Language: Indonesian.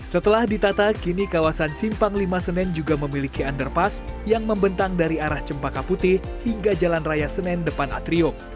setelah ditata kini kawasan simpang lima senen juga memiliki underpass yang membentang dari arah cempaka putih hingga jalan raya senen depan atrium